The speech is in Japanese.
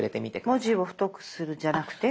「文字を太くする」じゃなくて？